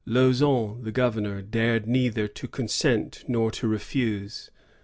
Lauson, the governor, dared neither to consent nor to refuse.